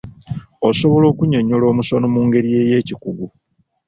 Osobola okunnyonnyola omusono mu ngeri ey'ekikugu.